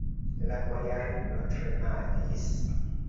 La bojarino tremadis.